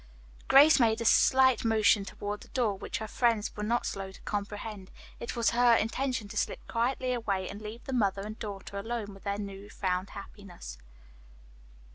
Grace made a slight motion toward the door, which her friends were not slow to comprehend. It was her intention to slip quietly away and leave the mother and daughter alone with their new found happiness.